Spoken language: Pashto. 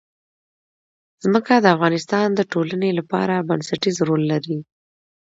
ځمکه د افغانستان د ټولنې لپاره بنسټيز رول لري.